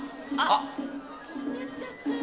あっ！